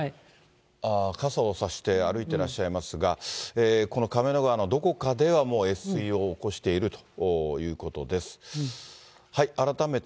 ああ、傘を差して歩いてらっしゃいますが、この亀の川のどこかでは、もう越水を起こしているということです。